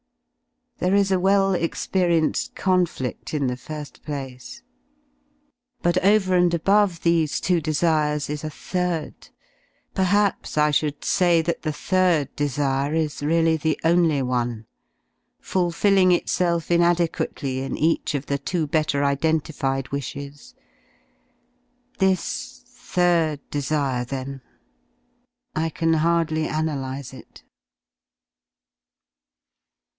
There is a well experienced conflifl in the fir^ place. But over and above these two desires is a third, perhaps I should say that the third desire is really the only one, fulfilling itself inade quately in each of the two better identified wishes. This third desire then — I can hardly analyse it.